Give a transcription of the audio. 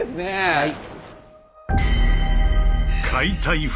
はい。